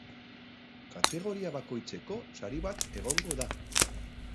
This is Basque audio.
Kategoria bakoitzeko sari bat egongo da.